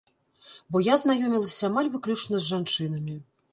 Бо я знаёмілася амаль выключна з жанчынамі.